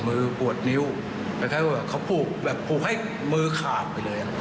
มือปวดนิ้วคล้ายว่าเขาผูกแบบผูกให้มือขาดไปเลย